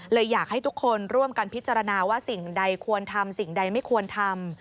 อยากให้ทุกคนร่วมกันพิจารณาว่าสิ่งใดควรทำสิ่งใดไม่ควรทำ